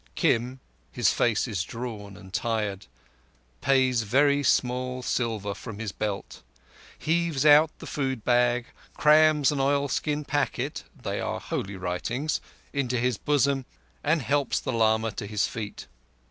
Kim—his face is drawn and tired—pays very small silver from his belt, heaves out the food bag, crams an oilskin packet—they are holy writings—into his bosom, and helps the lama to his feet.